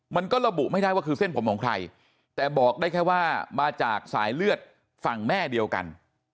มันก็ระบุไม่ได้ว่าคือเส้นผมของใครแต่บอกได้แค่ว่ามาจากสายเลือดฝั่งแม่เดียวกัน